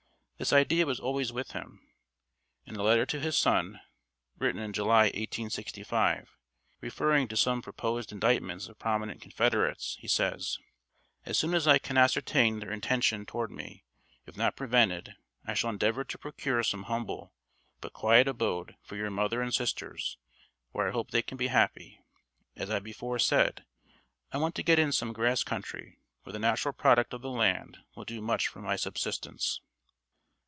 This idea was always with him. In a letter to his son, written in July, 1865, referring to some proposed indictments of prominent Confederates, he says: "... As soon as I can ascertain their intention toward me, if not prevented, I shall endeavour to procure some humble, but quiet abode for your mother and sisters, where I hope they can be happy. As I before said, I want to get in some grass country where the natural product of the land will do much for my subsistence